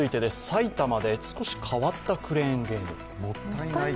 埼玉で少し変わったクレーンゲーム。